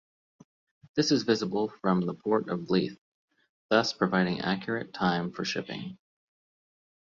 This is visible from the port of Leith, thus providing accurate time for shipping.